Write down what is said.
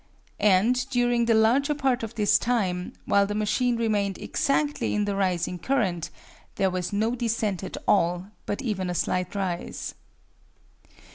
And during the larger part of this time, while the machine remained exactly in the rising current, there was no descent at all, but even a slight rise.